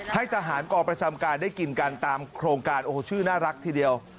ให้ทหารกองประจำการได้กินกันตามโครงการโอ้โหชื่อน่ารักทีเดียว